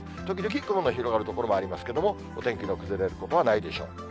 時々雲の広がる所もありますけれども、お天気の崩れることはないでしょう。